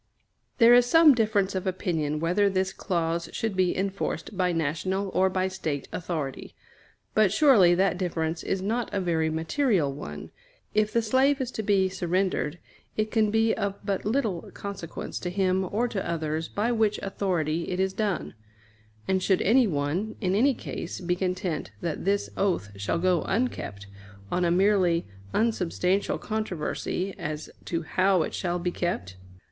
There is some difference of opinion whether this clause should be enforced by national or by State authority; but surely that difference is not a very material one. If the slave is to be surrendered, it can be of but little consequence to him or to others by which authority it is done; and should anyone, in any case, be content that this oath shall go unkept on a merely unsubstantial controversy as to how it shall be kept?